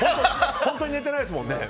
本当に寝てないですもんね。